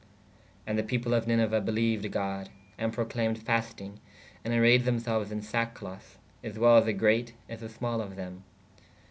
¶ And the people of Niniue beleued God/ and proclaymed fastynge/ ād arayed them selues in sackcloth/ as well the greate as the small of them.